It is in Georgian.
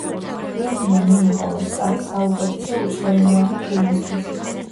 ფილმმა მიიღო ოსკარი საუკეთესო უცხოენოვანი ფილმისთვის.